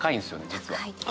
実は。